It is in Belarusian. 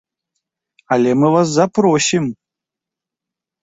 Але мы вас запросім!